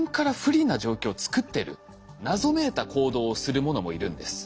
謎めいた行動をするものもいるんです。